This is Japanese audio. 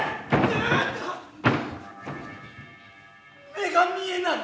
目が見えない。